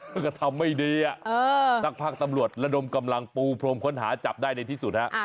มันก็ทำไม่ดีสักพักตำรวจระดมกำลังปูพรมค้นหาจับได้ในที่สุดฮะ